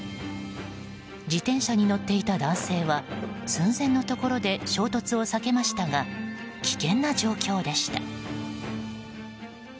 自転車に乗っていた男性は寸前のところで衝突を避けましたが危険な状況でした。